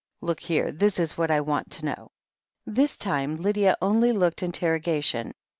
Look here, this is what I want to know." This time Lydia only looked interrogation.